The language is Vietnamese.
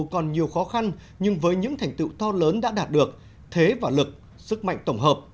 còn nhiều khó khăn nhưng với những thành tựu to lớn đã đạt được thế và lực sức mạnh tổng hợp